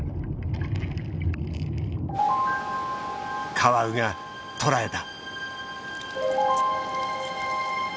カワウが捕らえた。